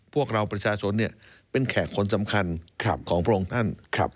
พวกเราประชาชนเป็นแขกคนสำคัญของพระองค์ท่าน